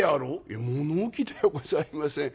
「いや物置ではございません。